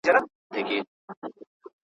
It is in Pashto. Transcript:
نه خمار مي د چا مات کړ، نه نشې مي کړلې مستې.